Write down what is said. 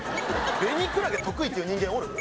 ベニクラゲ得意っていう人間おる？